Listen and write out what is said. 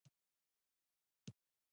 رس د ماشومانو خوښي ده